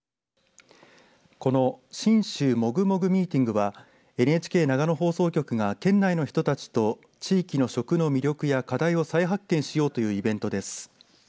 この信州もぐもぐｍｅｅｔｉｎｇはＮＨＫ長野放送局が県内の人たちと地域の食の魅力や課題を再発見しようというイベントです。